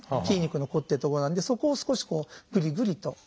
筋肉のこってるとこなんでそこを少しこうぐりぐりと。